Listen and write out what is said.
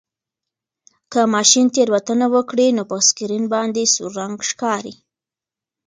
که ماشین تېروتنه وکړي نو په سکرین باندې سور رنګ ښکاري.